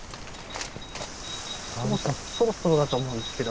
そろそろだと思うんですけど。